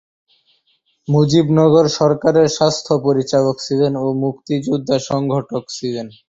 মুজিবনগর সরকারের স্বাস্থ্য পরিচালক ছিলেন ও মুক্তিযোদ্ধা সংগঠক ছিলেন।